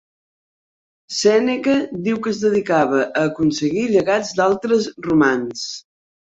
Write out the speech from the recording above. Sèneca diu que es dedicava a aconseguir llegats d'altres romans.